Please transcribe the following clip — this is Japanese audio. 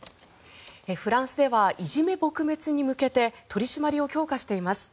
フランスではいじめ撲滅に向けて取り締まりを強化しています。